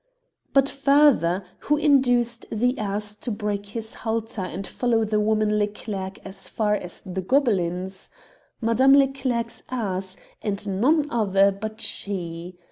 " But further, who induced the ass to break his halter and follow the woman Leclerc as far as the Gobelins? Madame Leclerc's ass, and none other but she.